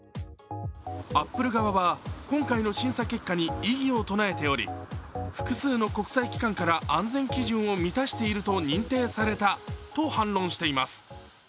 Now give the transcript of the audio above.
アップル側は今回の審査結果に異議を唱えており、複数の国際機関から安定記事を満たしていると認定されたと反論しています。